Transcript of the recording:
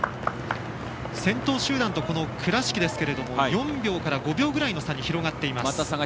先頭集団と倉敷ですが４秒から５秒ぐらいの差に広がっています。